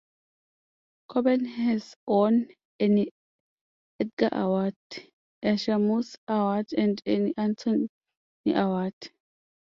Coben has won an Edgar Award, a Shamus Award and an Anthony Award.